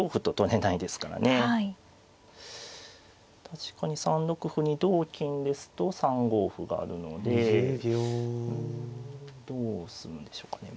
確かに３六歩に同金ですと３五歩があるのでうんどうするんでしょうかね。